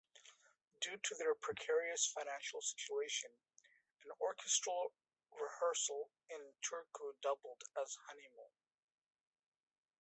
Due to their precarious financial situation, an orchestral rehearsal in Turku doubled as honeymoon.